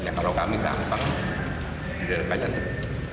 kalau kami gampang tidak ada kacang